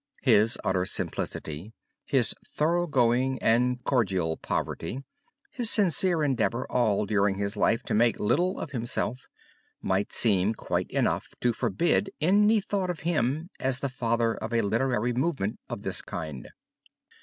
His utter simplicity, his thorough going and cordial poverty, his sincere endeavor all during his life to make little of himself, might seem quite enough to forbid any thought of him as the father of a literary movement of this kind.